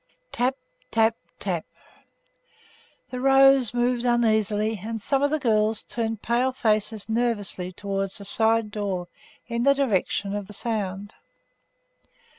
'Tap, tap, tap.' The rows moved uneasily, and some of the girls turned pale faces nervously towards the side door, in the direction of the sound.